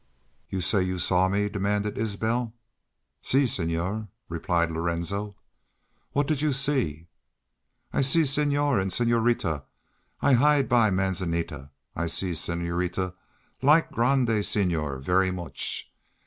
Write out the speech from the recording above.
"'You say you saw me?' demanded Isbel. "'Si, senor,' replied Lorenzo. "What did you see?' "'I see senor an' senorita. I hide by manzanita. I see senorita like grande senor ver mooch.